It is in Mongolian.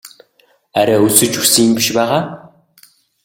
Арай өлсөж үхсэн юм биш байгаа?